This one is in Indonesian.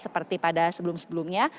seperti pada sebelum sebelumnya